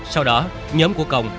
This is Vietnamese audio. sau đó nhóm của công